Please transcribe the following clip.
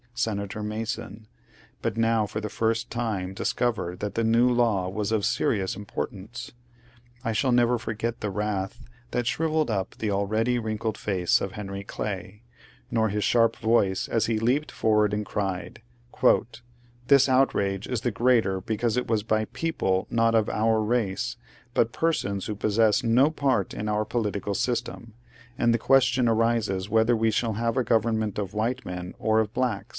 Senator Mason, but now for the first time discovered that the new law was of serious importance. I shall never forget the wrath that shrivelled up the already wrinkled face of Henry Clay, nor his sharp voice, as he leaped forward and cried, *^ This outrage is the greater because it was by people not of our race, by persons who possess no part in our political system, and the question arises whether we shall have a government of white men or of blacks."